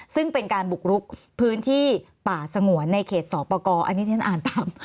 ซึ่งเป็นการบุกลุกพื้นที่ป่าสงวนในเขตสอบประกอบ